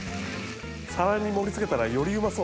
皿に盛り付けたらよりうまそう。